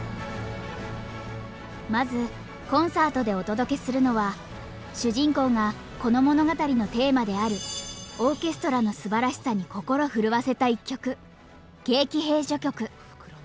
まずコンサートでお届けするのは主人公がこの物語のテーマであるオーケストラのすばらしさに心震わせた１曲。